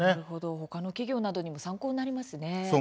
ほかの企業などにも参考になりますね。